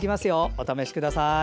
お試しください。